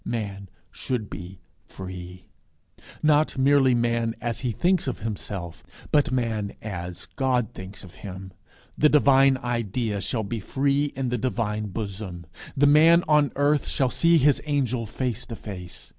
Man should be free, not merely man as he thinks of himself, but man as God thinks of him. The divine idea shall be set free in the divine bosom; the man on earth shall see his angel face to face.